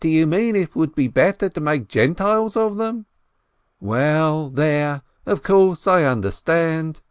Do you mean it would be better to make Gentiles of them?" "Well, there ! Of course, I understand